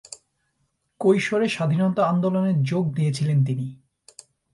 কৈশোরে স্বাধীনতা আন্দোলনে যোগ দিয়েছিলেন তিনি।